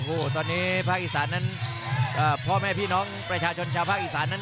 โอ้โหตอนนี้ภาคอีสานนั้นพ่อแม่พี่น้องประชาชนชาวภาคอีสานนั้น